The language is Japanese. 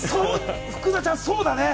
福田ちゃん、そうだね。